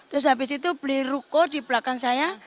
terus habis itu beli ruko di belakang saya